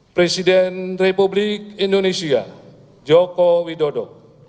presiden republik indonesia joko widodo